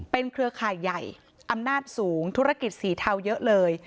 เครือข่ายใหญ่อำนาจสูงธุรกิจสีเทาเยอะเลย